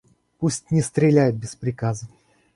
Пусть не стреляют без приказа.